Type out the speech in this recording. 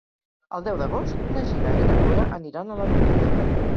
El deu d'agost na Gina i na Cora aniran a la biblioteca.